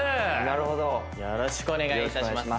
なるほどよろしくお願いいたします